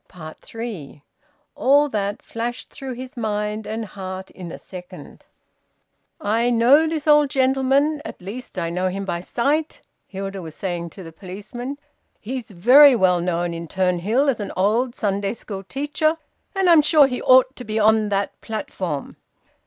THREE. All that flashed through his mind and heart in a second. "I know this old gentleman, at least I know him by sight," Hilda was saying to the policeman. "He's very well known in Turnhill as an old Sunday school teacher, and I'm sure he ought to be on that platform."